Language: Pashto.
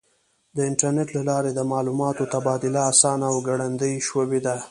د انټرنیټ له لارې د معلوماتو تبادله آسانه او ګړندۍ شوې ده.